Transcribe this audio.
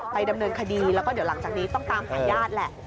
ดำเนินคดีแล้วก็เดี๋ยวหลังจากนี้ต้องตามหาญาติแหละ